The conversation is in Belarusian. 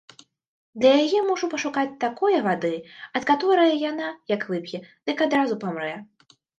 Для яе мушу пашукаць такое вады, ад каторае яна, як вып'е, дык адразу памрэ.